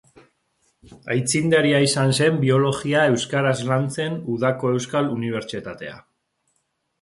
Aitzindaria izan zen biologia euskaraz lantzen Udako Euskal Unibertsitatea.